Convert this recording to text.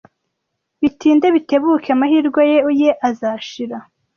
Bitinde bitebuke amahirwe ye azashira.